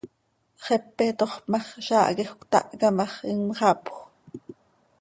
Xepe tooxp ma x, zaah quij cötahca ma x, imxapjö.